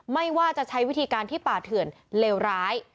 ไม่ว่าจะใช้วิธีการที่ป่าเถื่อนเลวร้าย